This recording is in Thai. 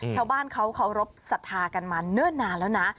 ชาวบ้านเขารบศรัทธากันมาเนื้อนานแล้วนะ